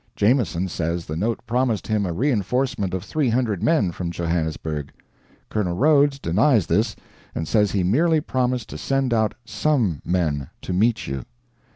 Jameson says the note promised him a reinforcement of 300 men from Johannesburg. Colonel Rhodes denies this, and says he merely promised to send out "some" men "to meet you."